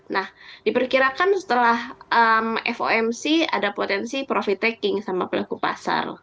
nah diperkirakan setelah fomc ada potensi profit taking sama pelaku pasar